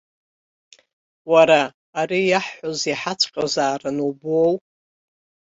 Уара, ари иаҳҳәоз иаҳаҵәҟьозаарын убоу!